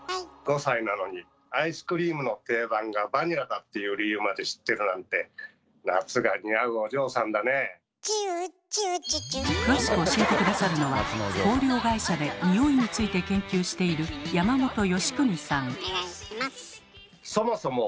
５歳なのにアイスクリームの定番がバニラだっていう理由まで知ってるなんて「チュウチュウチュチュ」詳しく教えて下さるのは香料会社でにおいについて研究しているそもそも